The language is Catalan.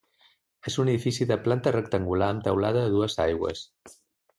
És un edifici de planta rectangular amb teulat a dues aigües.